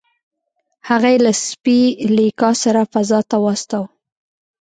هغه یې له سپي لیکا سره فضا ته واستاوه